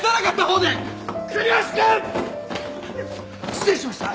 失礼しました。